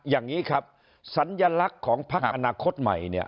อย่างนี้ครับสัญลักษณ์ของพักอนาคตใหม่เนี่ย